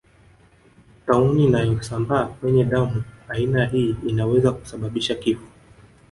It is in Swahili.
Tauni nayosambaa kwenye damu aina hii inaweza kusababisha kifo